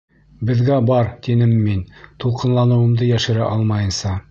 Беҙгә бар. — тинем мин, тулҡынланыуымды йәшерә алмайынса.